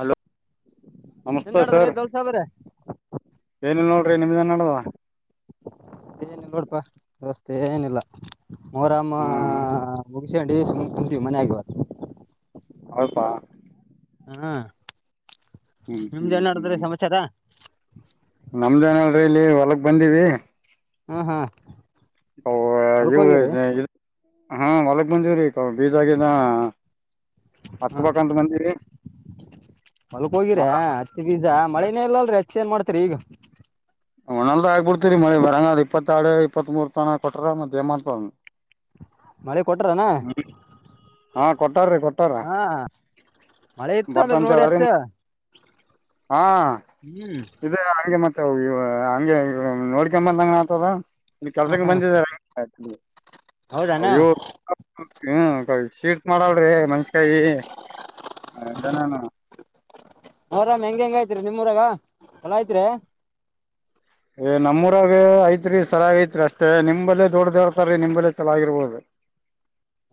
Hello ಏನ್ ನಮಸ್ತೆ ನಡದ್ರಿ ಸರ್ ದೌಲ್ ಸಾಬ್ರೆ ಏನ ನೋಡ್ರಿ ನಿಮ್ದಿನ ನಡದ ಏನ ನೋಡ್ಪಾಸ್ ಏನಿಲ್ಲ ಮೋರಮ್ಮ ಹ್ಮ್ ಮುಗಿಸ ಸುಮ್ ಕೂತಿವಿ ಮನೆ ಆಗವ ಅವಪ ಹಾ ನಿಮ್ದು ಎಲ್ಲ ನಡಿದ್ರೆ ಸಮಾಚಾರ ನಮ್ದಏನ ಅಲ್ರರಿ ಇಲ್ಲಿ ಹೊಲಗ್ ಬಂದೀವಿ ಹ್ಮ್ ಹ್ಮ್ ಹ ಇ [inaudible] [inaudible] ಸ ಬೀಜಾಗಿನ ಹಾ ಹತ್ತುಪಕ್ಕಂತ ಬಂದಿರಿ ಮಳನೇ ಇಲ್ಲಲ್ರರಿ ಹೆಚ್ಚ ಏನ್ ಮಾಡ್ತರಿ ಈಗ [inaudible] ಒ್ಣಲ್ ಆಗ್ಬ ಬಿಡ್ತೀರಿ ಮಳಿ ಬರಂಗದ್ ಇಪ್ಪತ್ತ ಆರಡು ಇಪ್ಪತ್ ಮೂರ್ ತನ ಕೊಟ್ರ ಮಧ್ಯೇಮ ಅಂತ ಮಳೆ ಕೊಟ್ರನಾ ಹಾ [inaudible] ಹಾ ಮಳೆ ಇತ್ತು ಅಂದ್ರೆ ಬರ್ತಂತ ನೋಡಿ ಹೇಳಾರಿ ಅಚ್ಚ ಹಾ ಇ ಹಗೆ [inaudible] ಹಂಗೆ ನೋಡ್ಕೊಂಬಂದಂಗಣ ಆತದ ಇ ಹಾ ಕೆಲ್ಸಂಗ ಹಾ ಬಂದಿದಾರ ಹೌದಾನ ಅ್ಯ ಶೀಡ್ ಮಾಡಳ್ರಿ ಮನ್ಸಕಾಯಿನ ಅವರಾಮ್ ಹೆಂಗ್ ಹೆಂಗ ಐತ್ರಿ ನಿಮ್ಮೂರಾಗ ಎಲಾ ಆಐತ್ರಿ ನಮ್ಮೂರಾಗ ಐತ್ರಿ ಸರಾಗ ಐತ್ರಿ ಅಷ್ಟೇ ನಿಲ್ಲೇ ದೊಡ್ಡ್ದೊಡ್ತಾರೀ ನಿಲ್ಲೇ ಚೆಲಾಗಿರ್ಬೋದು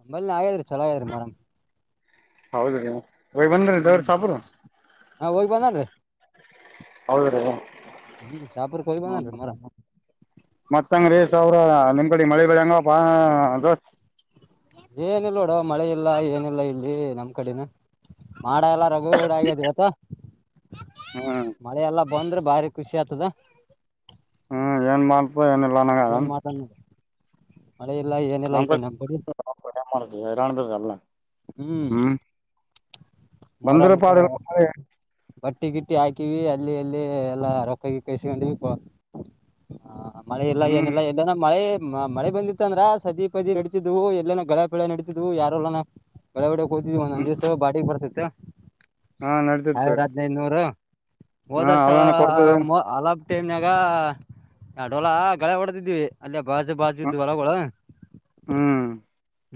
ಅಂಬಲ್ನ ಆಗೇದ್ರಿ ಚಲೋಗದ್ರರಿ ಮೊರಂ ಮ್ ಹೌದ ನೀವು ಹ್ಮ ಹಾ ವೈ ಬಂದ ರ ಹೌದ ರೀ [inaudible] ಶಾಪುರ್ಕ್ ಹೋಗಿ ಹ ಬಂದನ್ರಿ ಮೊಹರಂ ಮತ್ತಂಗ ರ ಸ ಅವ್ರ ನಿಮ್ಮ್ ಕಡೆ ಮಳೆ ಬೆಳಿ ಹೆಂಗ್ ಅವಪ ದೋಸ್ತ ಏನಿಲ್ಲ ನೋಡ ಮಳೆ ಇಲ್ಲ ಏನಿಲ್ಲ ಇಲ್ಲಿ ನಮ್ ಕಡೆನ ಮಾಡ ಎಲ್ಲ ರಗುೂಡ ಆಗ್ಯದ ಇವತ್ತು ಹ್ಮ್ ಮಳೆೆಲ್ಲ ಬಂದ್ರೆ ಭಾರಿ ಖುಷಿ ಆಗ್ತದ ಹ್ಞ ಏನು ಮಾಡಲ್ ಏನಲ್ಲಾನಾಗ ಮಾಡ್ತಾನ ನೋಡ್ ಮಳೆ ಇಲ್ಲ ಏನಿಲ್ಲ ಈ ನಮ ಕಡೆ ನಮ್ ಕಡಿ ಮಾಡರಾಣಬೇಕ ಅಲ್ಲ ಹ್ಮ್ ಮೊಹರು ಬಂದ್ರ ಮುಖ ಪಾಡಿಲ್ಲ ಮಳಿ. ಬ ಗಿಟ್ಟಿ ಗಿಟ್ಟಿ ಹಾಕಿವವಿ ಅಲ್ಲಿ ಅಲ್ಲಿ ಎಲ್ಲಾ ರೊಕ್ಕಾಗಿ ಇ ಸಕೊಂಡಿವ ಮಳೆ ಇಲ್ಲ ಹ್ಮ್ ಏನಿಲ್ಲ ಎಲ್ಲನ ಮಳೆ ಮ ಮಳೆ ಬಂದಿತ್ತ ಅಂದ್ರ ಸದಿ ಪದಿ ನಡೀತಿದ್ವು ಎಲ್ಲನ ಗಳೆ ಪಳೆ ನಡತಿದ್ವು ಯಾರಲ್ಲನ ಗಳ ಹ ಒಂದ ಒಂದ ಹ್ಮ್ ದಿವಸ ಬಾಡಗಬರ್ತತಿ ತ್ತ ಹಾ ನಡತಿತ್ತು ಸಾವಿರ ಹದನೈದುನೂರು ಹಾ ಹೋದರ್ ವರ್ಷ ಅವನ ಕೊಡ್ತದ ಅಲಬ ಟೈಮ್ನಾಗ ಎರಡ ಹೊಲ ಗಳೆ ಹೊಡೆದಿದ್ವಿ ಅಲ್ಲಿ ಬಾಜು ಬಾಜು ಇದ್ದು ಹೊಲಗಳು ಹ್ಮ್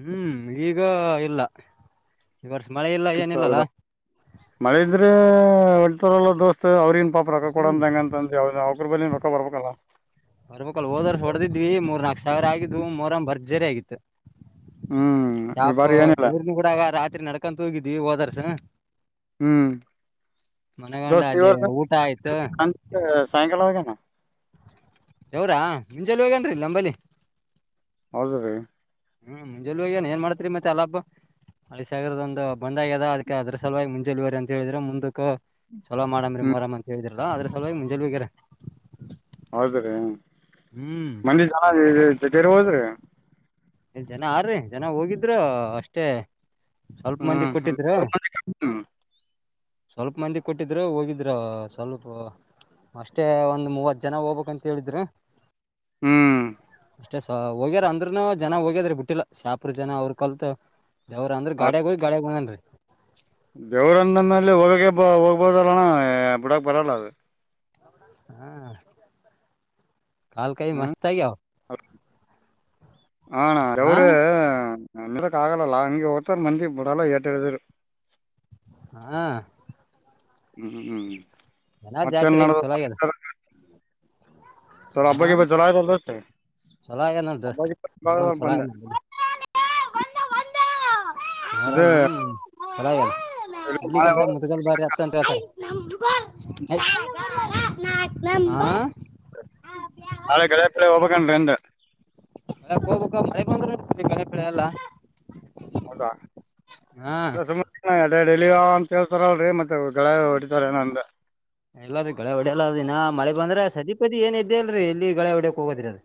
ಹ್ಮ್ ಈಗ ಇಲ್ಲ ಈ ವರ್ಷ ಮಳೆ ಇಲ್ಲ ಏನಿಲ್ಲಲ್ಲ ಹೌದ ಮಳೆ ಇದ್ರೆ ಒ ಲ್ಲ ದೋಸ್ತತ್ ಅವ್ರ ಪಾಪ ರೊ ಹ್ಮ್ ಕೊಡಂದ್ದಂಗ ಅಂತಂದ ಯಾವ್ದ ಅವ್ರ ಬೇ ರೊಕ್ಕ ಬರ್ಬೇಕಲ್ಲ ಬರ್ಬೇಕ ಅಲ್ಲ ಹೋದೋರ್ ಹೊಡದಿದ್ವಿ ಮೂರ್ ನಾಕಕ್ ಸಾವಿರ ಆಗು ಮೊಹರಂ ಬರ್ಜರಿ ಆಗು ತ್ತ ಹ್ಮ್ ಈ ಶಾಪ ಬಾರಿ ಏನಿಲ್ಲ ಜವರಿಗ ಕೂಡ ಅವ ರಾತ್ರಿ ನಡ್ಕ ಹೋಗಿದೀವಿ ಹೋದಾರ್ಸ ಹ್ಮ್ ಮನಗಂಡ ದೋಸ್ತ ಅಲ್ಲಿ ಇವರಸ ಊಟ ಆಯ್ತು ಸಾಯಕಾಲ ಹಗೆ ಯವರಾ ನಿಂಜಲ್ ಹೇಗನ್ರಿಲ್ಲ ನಂಬಲಿ ೇ ಹ್ಮ ಎಲ್ಲೋಗಿಣಿ ಏನ್ ಮಾಡ್ತ್ರಿ ಮತ್ತೆ ಅಲ್ಲಾಬ್ ಮಳಿ ಸಾಗರದ ಒಂದು ಬಂದಾಗ್ಯದ ಅದಕ್ಕೆ ಅದ್ರ ಸಲುವಾಗಿ ಮುಂಜೆಲ್ವರಿ ಅಂತ ಹೇಳಿದ್ರೆ ಮುಂದಕ್ಕ ಚಲೋ ಮಾಡೆನ್ರಿ ಮೋರಅಂತಾ ಹೇಳ್ರಿ ಅ ಆದ್ರೆ ಸಲಾಗಿ ಮುಂಜೆ ಬಗಾರೆ ಹೌದ್ರೀ ಮಂದಿ ಜನ ದರೆ ಹೋದ ರ [inaudible] ಇಲ್ಲಿ ಜನ ಆರ್ರಿ ಜನ ಹೋಗಿದ್ರರು ಅಷ್ಟೇ ಸ್ವಲ್ಪ ಮಂದಿ ಹ್ಮ್ ಕೊಟ್ಟಿದ್ರು ಹ್ಮ್ ಸ್ವಲ್ಪ ಮಂದಿ ಕೊಟ್ಟಿದ್ರು ಹೋಗಿದ್ರು ಸ್ವಲ್ಪ ಅಷ್ಟೇ ಒಂದ್ ಮೂವತ್ ಜನ ಹೋಗ್ಬೇಕಂತ ಹೇಳಿದ್ರು ಹ್ಮ್ ಅಷ್ಟೇ ಸ ಹೋಗ್ಯಾರ ಅಂದ್ರರುನು ಜನ ಹೋಗ್ಯದ್ರೆ ಬಿಟ್ಟಿಲ್ಲ ಶಾಪರು ಜನ ಅವ್ರರು ಕಲ್ತ್ ಯಾವ್ರ ಅ್ರ ಗಾಡಾಗ ಹೋಗ ಗಾಡಾಗೇಬಂದಂನ್ರೀ ದೇವ್ರನ್ನ ಮೇಲೆ ಹೋಗಕ ಬ ಹೋಗ್ಬೋದಲ್ಲಣ ಬಿಡಕ್ ಬರಲ್ಲ ಅದು ಹಾ ಕಾಲ ಕೈ ಮಸ್ತ್ ಆಗಾವ ಹ ನಾ ಹಾ ಅವವರು ಆಗಲ್ಲಲ್ಲಾ ಅ ಒತರು ಮಂದಿ ಬಿಡಲ್ಲ ಟ ಎದರು ಹಾ ಹ್ಮ್ ಹ್ಮ್ ಜನ ಮತ್ತೇನ್ ಜಾತ್ರೆ ನಡ ಆಗ ಚಲಾಗಿಲ್ಲ ಚ ಅಬ ಬ ಚಲ ಅಬ ಚಲೋ ಆಗ್ಯದ ನೋಡ್ ದೋಸ್ತ್ ಬ ಮೊಹರಂ ಬ ಚಲೋ ಆಗ್ಯದ ನಮ್ ಕಡೆ. [inaudible] ಹ ಆರಾಮ [inaudible] ಹರಲ್ಲ [inaudible] ಇದು ನಾಳೆ ಇಡ್ಲಿಗಂತ ಹೋಗ್- ಮುದ್ಗಲ್ ಬಾರಿ ಅತ್ತ ಅಂತತ [inaudible] ನಾ ನಾಳೆ ಗಳೇ ಹತ್ರ ಹೋಗಬೇಕು ನಿಂದ [inaudible] ಅಲ್ಲಿಯಕ್ ಹೋಗ್ಬೇಕು ಮಳೆ ಬಂದ್ರಏನ [inaudible] ಬೆಳೆ ಬೆಳೆಲ್ಲಾ. ಹೌದಾ [unintelligible] ರಿಲಿವ್ ಯಾವಾಗ ಅಂತ ಹೇಳ್ತಾರಲ್ರಿ ಮತ್ ಇಲ್ಲಾರಿ ಗಳೇ ಹೊಡೆಯಲ್ಲ ಅದ ಇನ್ನ ಮಳೆ ಬಂದ್ರ ಸದೀಪತಿ ಏನ್ ಇದ್ದೇ ಇಲ್ರರಿ ಇಲ್ಲಿ ಗಳೆ ಹೊಡ್ಯಾಕ್ ಹೋಗೋದ್ರಿ ಅದ.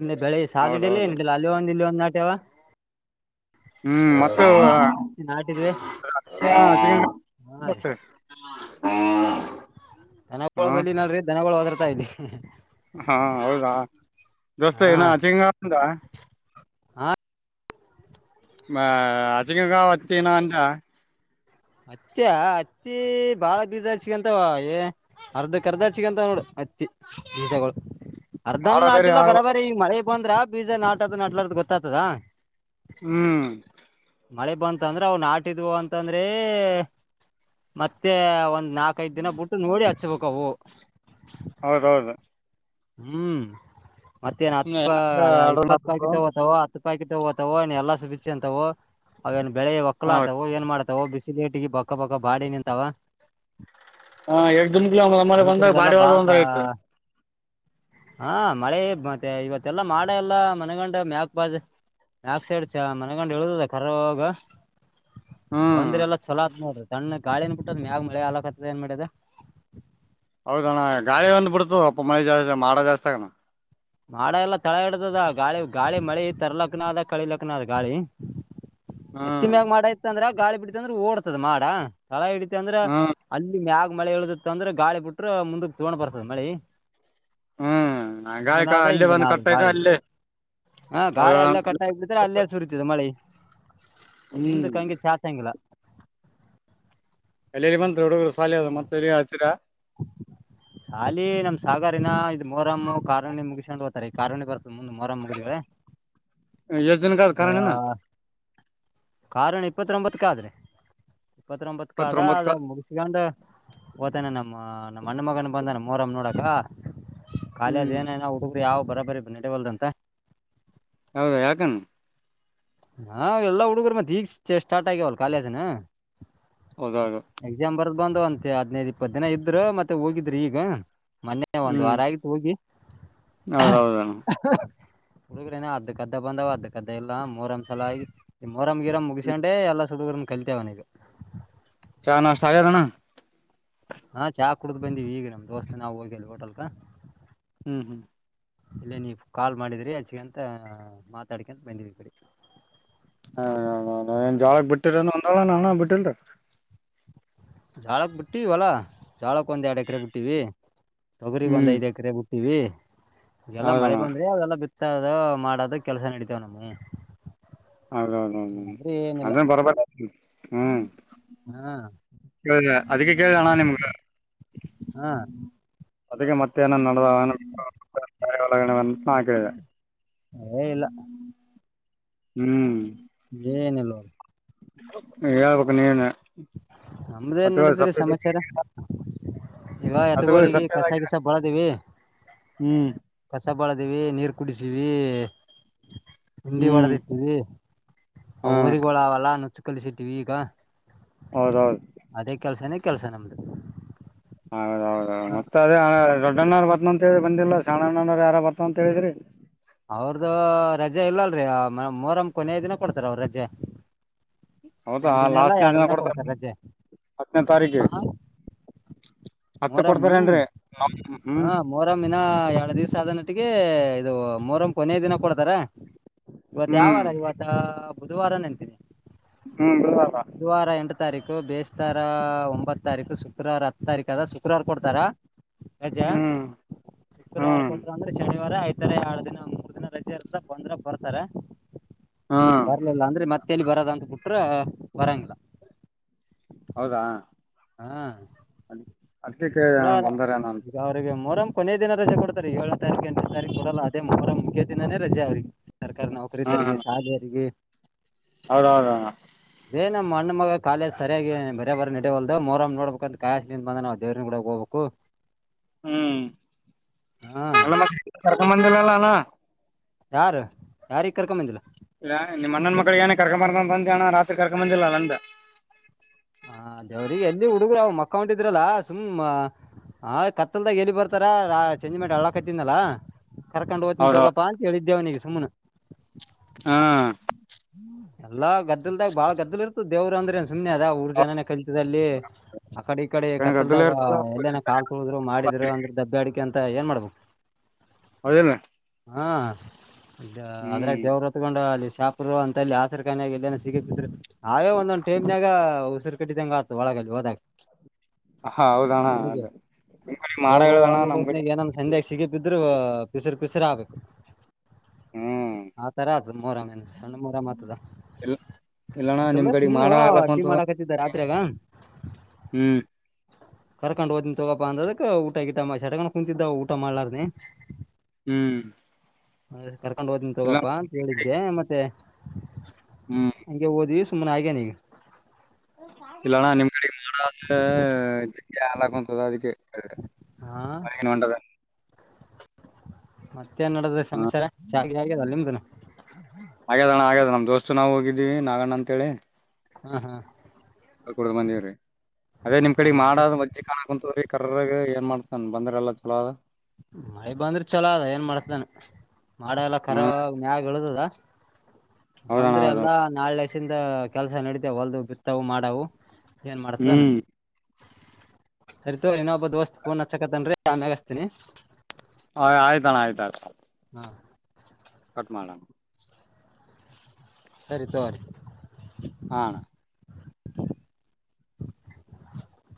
ಇನ್ನ ಬೆಳಿ ಹೌದು ಸಾಲಹಿಡಿಯಲ್ಲ ಹೌದು ಏನ್ ಹಿಡಿಯಲ್ಲ ಅಲ್ಲಿ ಒಂದ್ ಇಲ್ಲಿ ಒಂದ. ಯವ್ವ ಹ್ಮ್ ಮತ್ತು ನಾಟಿದವಿ ಹಚ್ಕೊಂಡ್ ಹಾ ರೀ [inaudible] ಬರ್ತೀರಿ ಹ್ಮ [inaudible] ಹಾ ದನಗೋಳ ಬಳ್ಳಿನರಿ ಧನಗೋಳ ವದರ್ತಾವ [unintelligible] ಹಾ ಹೌದಾ ದೋಸ್ತ ಹಾ ಏನ್ [unintelligible] ಹಾ [unintelligible] ಹತ್ಯ ಹತ್ತಿ ಬಾಳ ಬೀಜ ಹಚ್ಕಂತವ ಏ ಅರ್ಧ ಕರ್ಧ ಹಚ್ಕಂತವ ನೋಡು ಹತ್ತಿ ಬೀಜಗಳು. ಮಾಡ ಅರ್ಧಾನು ಬೇರೆ ನಾಟಿಲ್ಲ ಆಗ್ಲ ಬರಾ ಬರಿ ಈ ಮಳೆ. ಬಂದ್ರ ಬೀಜ ನಾಟದ ನಟಲಾರದು ಗೊತ್ತಾತದ ಹ್ಮ್ ಮಳೆ ಬಂತ ಅಂದ್ರ ಅವು ನಾಟಿದು ಅಂತಂದ್ರೆ [unintelligible] ಮತ್ತೆ ಒಂದ್ ನಾಕೖದ್ ದಿನ ಬಿಟ್ಟು ನೋಡಿ ಹಚ್ಬೇಕ ಅವು. ಹೌದೌದು ಹ್ಮ್ ಮತ್ತೇನ್ ಆತ್ ಸುಮ್ನೆ ಪಾ ಯಾಕ ಅಡೋಣ ಇಪ್ಪತ್ತು ಆಗ್ಬೇಕು? ಪ್ಯಾಕೆಟ್ ಅದವೂ ಹತ್ತು ಪಾಕೆಟ್. ತೊಗೊ ಎಲ್ಲ ಸುಬಿಚ್ಕೊಂತವೋ ಅವೆಲ್ಲಾ ಬೆಳೆಗ್ಗೆ ಹೌದು ಒಕ್ಲಾತವು ಏನ್ ಮಾಡತ ಹೋ ಬಿಸಿಲ ಏಟಿಗ ಬಕ್ಕ ಬಕ್ಕ ಬಾಡಿ ನಿಂತಾವ. ಹ ಎಡ್ ದಿನಗ್ಲೆ ಒಮ್ಮೆಲೇ ಬಂದಾಗ ರೈತರಿಗೆಲ್ಲಾ ಬಾಡಿ ಬಾಳ ವಾದಹಂಗ್ ಆಯ್ತು. ಹಾ ಮಳೆ ಮತ್ತೆ ಇವತ್ತೆಲ್ಲಾ ಮಾಡ ಎಲ್ಲಾ ಮನೆಗಂಡ ಮ್ಯಾಕ್ ಬಾಜ ಮ್ಯಾಕ್ ಸೈಡ್ ಚ ಮನೆಗಂಡ್ ಇಳುದದ ಖರ್ರುಗ್ ಹ್ಮ್ ಬಂದ್ರ ಎಲ್ಲ ಚಲೋ ಆತ್ದ ನೋಡ್ರಿ. ಸಣ್ಣ ಗಾಳಿ ಬಿಟ್ಟದ ಮ್ಯಾಗ್ ಮಳಿ ಆಗಕತದ ಏನ್ ಮಾಡ್ಯದ ಹೌದಣ್ಣ ಗಾಳಿ ಒಂದು ಬಿಡ್ತು ಅಪ್ಪ ಮಳೆ ಜಾಸ್ತಿ ಮಾಡ ಜಾಸ್ತಿ ಆಗಣ್ಣ. ಮಾಡ ಎಲ್ಲ ತಳ ಹಿಡತದ ಗಾಳಿ ಗಾಳಿ ಮಳಿ ತರ್ಲಕ್ಕನದ ಕಳಿಲಾಕ್ನು ಅದ ಗಾಳಿ. ಹ್ಮ್ ನೆತ್ತಿಮ್ಯಾಗ ಮಾಡ ಇತ್ ಅಂದ್ರ ಗಾಳಿ ಬಿಡ್ತ ಅಂದ್ರ ಓಡ್ತದ ಮಾಡ. ತಳ ಹಿಡಿತ ಅಂದ್ರ ಹ್ಮ್ ಅಲ್ಲಿ ಮ್ಯಾಗ ಮಳೆ ಇಳುದಿತ್ತ ಅಂದ್ರೆ ಗಾಳಿ ಬಿಟ್ರ ಮುಂದಕ್ಕೆ ತುಗೊಂಡ್ ಬರ್ತದ ಮಳಿ ಹ್ಮ ಹಿಂಗನಾದ ಹಿಂಗ ನಾದ ಗಾಳಿ ಹಾ ಗಾಳಿ ಅಲ್ಲೇ ಕಟ್ಟ ಆಗಿ ಬಿಡಿದ್ರೆ ಅಲ್ಲೇ ಸುರಿತದ ಮಳೆ ಹ್ಮ್ ಮುಂದಕ್ಕೆ ಹಂಗೆ ಚಾಚಂಗಿಲ್ಲ ಅಲ್ಲಲ್ಲಿ ಬಂತು ಹುಡುಗರು ಸಾಲಿ ಅದು ಮತ್ತೆಲ್ಲಿಯ ಹಚ್ಚಿರಾ ಶಾಲಿ ನಮ್ ಸಾಗಾರಿನ ಇದ್ ಮೊಹರಮ್ ಕಾರುಣಿ ಮುಗಿಸ್ಕೊಂಡು ಹೋಗ್ತಾರೆ ಈ ಕಾರುಣಿ ಬರ್ತ ಮೊಹರಮ್ ಮುಗಿದಿವೆ ಎಷ್ಟ್ ದಿನಕ ಆದ ಇದ ಕಾರಣನ ಕಾರಣ ಇಪ್ಪತ್ರೊಂಭತಕ್ಕ್ ಆದ್ರೇ ಇಪ್ಪತ್ರೊಂಭಕಾದ ಇಪ್ಪತ್ತೊಂಬತ್ಕ ಅದ ಮುಗಿಸ್ಗೆಂಡ ಹೋತಾನೇನ ನಮ್ಮಣ್ಣ ಮಗನು ಬಂದಾನ ಮೊಹರಮ್ ನೋಡಕ ಕಾಲಿ ಹ್ಮ್ ಅದಿ ಏನ ಏನ್ ಆ ಹುಡು ಯಾವ ಬರಾಬ್ಬರಿ ನಡೆವಲ್ದಂತ ಹೌದಾ ಯಾಕನು ಹಾ ಎಲ್ಲಾ ಹುಡುಗುರು ಮತ್ತ ಈಗ ಸ್ಟಾರ್ಟ್ ಆಗ್ಯಾವಲ್ ಕಾಲೇಜ್ನ ಹೋದಾಗ ಬಂದವು ಅಂತೆ ಹದ್ನೈದು ಇಪ್ಪತ್ತು ದಿನ ಇದ್ರ ಮತ್ತೆ ಹೋಗಿದ್ರ ಈಗ ಮೊನ್ನೆ ಒಂದ್ ಹ್ಮ್ ವಾರ ಆಗಿತ್ತು ಹೋಗಿ ಹ ಹಾ ಹೌದೌದ ಹ್ ಹ ಹುಡುಗ್ರೇನ ಅದಕ್ಕದ್ದ ಬಂದಾವ್ ಅದಕ್ಕದ್ದ ಇಲ್ಲ ಮೋಹರಂ ಚೊಲೋ ಆಗಿ ಈ ಮೊಹರಂ ಗಿರಂ ಮುಗಿಸ್ಗೆಂಡೆ ಎಲ್ಲ ಹುಡುಗರುನು ಕಲ್ತ್ಯಾವೇನೀಗ ಚಾ ನಾಷ್ಟ ಆಗೇದ ಅಣ್ಣ ಹಾ ಚಾ ಕುಡ್ದ್ ಬಂದಿವಿ ಈಗ ನಮ್ ದೋಸ್ತ್ ನಾವು ಹೋಗಿ ಅಲ್ಲಿ ಹೋಟೆಲ್ಕಾ ಹ್ಮ್ ಹ್ಮ್ ಇಲ್ಲೇ ನೀವು ಕಾಲ್ ಮಾಡಿದ್ರಿ ಅಚ್ಚಗಂತ ಮಾತಾಡ್ಕಂತ ಬಂದಿವಿ ಈಕಡೆಕೆ ಹಾ ಆ ನಾವೇನ್ ಜ್ವಾಳಕ್ ಬಿಟ್ಟಿರೆನ್ ನ ಅಣ್ಣಾ ಬಿಟ್ಟಿಲ್ರಿ ಜ್ವಾಳಕ್ ಬಿಟ್ಟಿವಿ ಹೊಲ ಜ್ವಾಳಕ್ ಒಂದ ಎರಡ ಎಕರೆ ಬಿಟ್ಟಿವಿ ತೊಗರಿಗ್ ಒಂದ ಹ್ಮ್ ಐದ್ ಎಕರೆ ಬುಟ್ ಟೀವಿ ಎಲ್ಲಾ ಮಳೆ ಹೌದಣ್ಣ ಬಂದ್ರೆ ಅವೆಲ್ಲ ಬಿತ್ ಬಿತ್ತೋದು ಮಾಡೋದು ಕೆಲಸ ನಡಿತಾವ್ ನಮವು ಹೌದೌದೌದು ಅಂದ್ರ ಬರೋಬ್ಬರಿ ಹ್ಮ್ ಹಾ ಕೇಳ್ದೆ ಅದಕ್ಕೆ ಕೇಳ್ದೇಣ್ಣ ನಿಮ್ಗ ಹಾ ಅದಕ್ಕೆ ಮತ್ತೆ ಏನನ್ ನಡದಾವ ಏನು ಬಿಟ್ಟಾವ ಮತ್ತೆ ಬೇರೆವು ನಡಾದವೇನು ಹಾಕಿದೆ ಹೇ ಇಲ್ಲ ಹ್ಮ ಹ್ಮ್ ಹ್ಮ ಏನಿಲ್ಲೋ ಹೇಳ್ಬೇಕು ನೀನೇ ನಮ್ದೇನ್ ನಡದ್ರಿ ಸಮಾಚಾರ ಇವ ಹತ್ತುಗಳು ಎತ್ತುಗೋಳಿಗೆ ಕಸ ಸಪ್ಪೆದಾಗಿದೆ ಗಿಸ ಬಳದೀವಿ ಹ್ಮ್ ಕಸ ಬಳದವಿ ನೀರ್ ಕುಡಿಸೀವಿ ಹಂಡಿ ಹ್ಮ್ ಒಡದ ಇಟ್ಟಿವೀ ಅವು ಹಾ ಹೋರಿಗಳು ಅವಲ್ಲ ಕಲಿಸಿದ್ದೀವಿ ವೀಗಾ ಹೌದೌದು ಅದೇ ಕೆಲ್ಸನ ಕೆಲಸ ನಮ್ದು ಹೌದೌದೌದು ಮತ್ತತ್ ಅದ ದೊಡ್ಡಣ್ಣ ಬ ಬಂದಿಲ್ಲ ಸಣ್ಣಣ್ಣ ಯಾರ ಬರ್ತಾವ ಅಂತ ಹೇಳಿದ್ರಿ ಅವ್ರ್ದ ರಜೆ ಇಲ್ಲಲ್ರಿ ಮೋಹರಮ ಕೊನೆಯ ದಿನ ಕೊಡ್ತಾರ ಅವ್ರ ರಜೆ ಹೌದಾ ಒಂದ್ ಇಲ್ಲ ಲಾಸ್ಟ್ನೇ ಎರಡ್ ದಿನ ಕೊಡ್ತಾರ ರಜೆ ಹತ್ತನೇ ತಾರೀಕಿಗೆ ಆ, ಹತ್ತ ಮೊಹರಂ ಕೊಡ್ತಾರೇಏನ್ರಿ ಹ್ಮ್ ದಿನ ಎರಳ ದಿವ್ಸ ಅ ಆದ ನಟ್ಟಿಗೆ ಇದು ಮೋಹರಮ್ಮ ಕೊನೆಯ ದಿನ ಕೊಡ್ತಾರ ಇವತ್ ಯಾವ ಹ್ಮ್ ವಾರ ಇವತ್ತ ಬುಧವಾರ ನೆಂತೀನಿ ಹ್ಮ್ ಬಿ ಬೇಸ್ರ ಒಂಬತ್ತು ತಾರೀಕು ಶುಕ್ರವಾರ ಹತ್ತು ತಾರೀಕು ಕದಾ ಸಿ ಶುಕ್ರವಾರ ಕೊಡ್ತಾರ ಹೆಜ ಹ್ಮ್ ಶುಕ್ರವಾರ ಹ್ಮ್ ಕೊಟ್ರ ಅಂದ್ರೆ ಶನಿವಾರ ಐದು ತ ಎರಡ್ ದಿನ ಮೂರ್ ದಿನ ರಜೆ ಇರ್ತ ಬಂದ್ರ ಬರ್ತಾರ ಹ್ಮ್ ಬರ್ಲಿಲ್ಲ ಅಂದ್ರೆ ಮತ್ತೇಲ್ಲಿ ಬರದ ಅಂತ ಬಿಟ್ಟು ಅ ಬರಂಗಿಲ್ಲ ಹಾ ಅ ಅಡ್ಕಕ್ಕೆ ಬಂದಾರನಂತ ಕೊನೆೆಯ ದಿನ ರಜೆ ಕೊಡ್ತಾರೆ ಏಳು ತಾರೀಖು ಎಂಟನೇ ತಾರೀಕು ಕೊಡಲ್ಲ ಅದೇ ಮೋಹರಂ ಮುಖ್ಯ ದಿನಾನೇ ರಜೆ ಅವ್ರಿಗೆ ಸರ್ಕಾರಿ ನೌಕರ ಹಾ ಇದ್ದರಿಗೆ ಹಾ ಸಾಲಿಯರಿಗೆ ಹೌದೌದು ಏ ನಮ್ಮ ಅಣ್ಣ ಮಗ ಕಾಲೇಜ ಸರಿಯಾಗಿ ಬರ ಬರ್ ನಡೆಯವ ಅ ಮೊಹರಮ್ ನೋಡ್ಬೇಕ ಅಂತ ಕಾಯ್ಸಲಿಂದ ಬಂದ ನಾವವು ದೇವ್ರನ ಕಡ ಹೋಗ್ಬೇಕು ಹ್ಮ್ ಹಾ ಅಲ್ಲ ಕರ್ಕ ಬಂದಿರಲ್ಲಾನ. ಯಾರು ಯಾರಿಗೆ ಕರ್ಕೊಂದಿಲ್ಲ. ಇಲ್ಲ ನಿಮ್ಮಣ್ಣ ಮಕ್ಕಳಿಗೆ ಏನ ಕರ್ಕ ಬಾರದಂತ ಅಂತನ ರಾತ್ರಿ ಕರ್ಕೊ ಬಂದಿಲ್ಲ ಅಲ್ಲ ಅಂತ. ಹ ದೇವ್ರಿಗೆ ಎಲ್ಲಿ ಹುಡುಗರು ಅವ್ ಮಕ್ಕ ಹೊಂಟಿದ್ರಲ್ಲ ಸುಮ್ ಆ ಕತ್ತಲ್ದಾಗ ಎಲ್ಲಿ ಬರ್ತಾರ ಚೆಂಜಿ ಮಾಡಿ ಅಳಾಕತಿಂದಲ್ಲ. ಕರ್ಕೊಂಡು ಓ್ತನಿ ಹೌದೌದು ತಗೋಪ್ಪ ಅಂತ ಹೇಳ ಇದಿದ್ದೆವನಿಗೆ ಸುಮ್ಮನೆ. ಹಾ. ಎಲ್ಲ ಗದ್ದಲ್ದಾಗ ಬಾಳ ಗದ್ದಲ್ ಇರ್ತದ ದವರು ಅ್ರ ನ್ ಸುಮ್ನೆ ಅದ ಊರ್ ಜನ. ಕಲಿತದಲ್ಲಿ ಆ ಕಡೆ ಈ ಕಡೆ ಗದ್ದಲ ಕತ್ತಲ್ದಾಗ ಇರ್ತದ ಎಲ್ಲೇನ ಕಾಲ್ ತುಳಿದ್ರು ಮಾಡಿದ್ರು ಅಂದ್ರೆ ದಬ್ಬೆ ಅಡಿಕೆ ಅಂತ. ಮತ್ತ ಏನ್ ಮಾಡ್ಬೇಕ. ಹೌದಲ್ಲ. ಹಾ. ಅದ್ರಾಗ ದೇವ್ರತ್ಗೊಂಡು ಅ. ಅಂತಲ್ಲಿ ಆಸರ ಕನ್ ಎಲ್ಲ ಸಿಗಿದರು ಅವೇ ಒಂದೊಂದ್ ಟೈಮ್ನಾಗ ಉಸಿರು ಕಟ್ಟಿದಂಗ ಆತು ಒಳಗಲ್ಲಿ ಹೋದಾಗ. ಹ ಹೌದಣ [inaudible] ನಮಗೆ ಅದ ನಿಮ್ ಕಡೆ ಮಾಡ ಅವರು ಹೇಳದಣ್ಣ ಒಳಗ ನಮ್ ಕಡೆ ಹೋತ್ನಾಗ ಏನಾದ್ರು ಸಂಧ್ಯಾಗ ಸಿಗದ ಬಿದ್ರರು. ಪಿಸುರ ಪರಿಸರ ಆಗಬೇಕು. ಹ್ಮ್ [inaudible] ಹಾ ತರ. ಅ ಮೂರೇ. [unintelligible] ಹಣ್ಣ ಮರ ಮಾತ್ರದ [unintelligible] ಇಲ್ಲ [inaudible] ಇಲ್ಲಣ ನಿಮ್ ಕಡೆ ಮಾಡ [unintelligible] ಆಗ್ಲಕ್ಕ ಅಡ್ಡಿ ಅಂತ ಮಾಡಾಕತ್ತಿದ್ದ ರಾತ್ರಿಯಾಗ ಹ್ಮ್. ಕರ್ಕೊಂಡು ಹೋತಿನಿ ತಗೋಪ್ಪ ಅಂದಿದಕ್ ಊಟ ಗಿಟ [unintelligible] ಕುಂತಿದ್ದ ಊಟ ಮಾಡ್ಲಾರದೆ. ಹ್ಮ್. ಹಾ [unintelligible] ಕರ್ಕೊಂಡ್ ಹೋಗತೀನಿ ಇಲ್ಲ ತಗೋಪ್ಪಾ ಅಂತ ಹೇಳಿದ್ದೆ ಮತ್ತೆ. ಹ್ಮ್ ಹಂಗೆ ಓದ್ವಿ. ಸುಮ್ಮನ ಆಗ ನೀ. ಇಲ್ಲಣ ನಿಮ್ ಕಡೆ ಮಾಡ. ಹಾ ಯ [unintelligible] ಆಾಗಂತದ ಅದಕ್ಕೆ. ಹ [unintelligible] ಹಾ ಬನುೊಂಡದ ಮತ್ತ [unintelligible] ಮತ್ತೆ ನಡದ್ರೆ ಹ ಸಮಾಚಾರ. ಹ [unintelligible] ಗ್ಯದಲ್ಲ ನಿಮ್ದನು. ಹಾಗ್ಯದಣ್ಣ ಹಾಗ್ಯದಣ ನಮ್ ದೋಸ್ತ ನಾವು ಹೋಗಿದ್ದೀವಿ ನಾಗಣ್ಣ ಅಂತ ಹೇಳಿ. ಹ್ಮ ಹಾ ಹ ಕುಡುದ್ ಬಂದಿವ್ರೀ ಅದೇ ನಿಮ್ ಕಡೆಗ್ ಹೌದಾ ಮಾಡದ ಮಜ್ಜಿ ಕಾಣಕ ಕುಂತ್ರೀ ಕರ್ರಾಗ ಏನ್ ಮಾಡ್ತಾನ ಬಂದ್ರ ಎಲ್ಲಾ ಚಲೋ. ಮಳೆ ಬಂದ್ರ ಚಲೋ ಅದ ಏನ್ ಮಾಡ್ತೇನ ಮಾಡ ಎಲ್ಲ ಕರ ಹ್ಮ್ ಮ್ಯಾಗ ಇಳದದ ಹೌದಣ ಬಂದ್ರೆ ಹೌದ ಎಲ್ಲಾ ನಾಳೆ ಷಿಂದ ಕೆಲಸ ನಡತ ಹೊಲ್ದು ಬಿತ್ತವು ಮಾಡವು ಏನ್ ಮಾಡ್ತಾನ ಹ್ಮ್ ಅರಿತೋ ಇನ್ನೊಬ್ಬ ದೋಸ್ತ್ ಪೋನ ಅಚ್ಚಾಕಾತಾನ ಆಮ್ಯಗ ಅಚ್ಚಿತೀನೀ ಹಯ ಆಯ್ತಣ ಆಯ್ತ ಅಥ್ರ ಹಾ. ಕಟ್ ಮಾಡೋಣ ಸರಿ ತ [unintelligible] ಹಾ